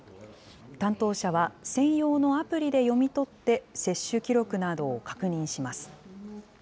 担当者は、専用のアプリで読み取って、接種記録などを確認します。